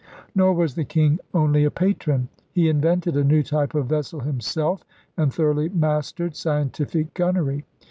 Nor was the King only a patron. He invented a new type of vessel himself and thoroughly mastered scientific gun nery.